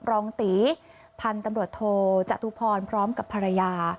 รองตีพันธุ์ตำรวจโทจตุพรพร้อมกับภรรยา